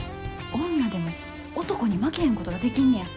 女でも男に負けへんことができんねや。